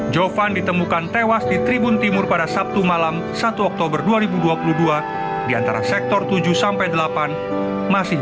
jovan ditemukan tewas di tribun timur pada sabtu malam satu oktober dua ribu dua puluh dua di antara sektor tujuh sampai delapan masih